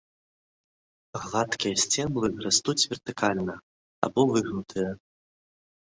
Гладкія сцеблы растуць вертыкальна або выгнутыя.